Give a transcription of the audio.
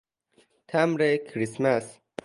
تمبر کریسمس